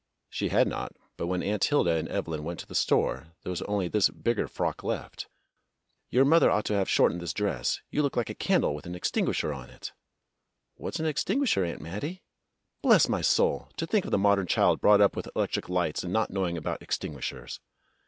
She had not, but when Aunt Hilda and Evelyn went to the store there was only this bigger frock left. "Your mother ought to have shortened this dress; you look like a candle with an extinguisher on it." "What's an extinguisher. Aunt Mattie?" "Bless my soul! To think of the modern child brought up with electric lights and not knowing about extinguishers."